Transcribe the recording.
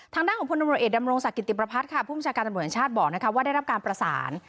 ทางด้านของพลตำรวจเอกดำรงศักดิติประพัฒน์ค่ะผู้บัญชาการตำรวจแห่งชาติบอกว่าได้รับการประสาน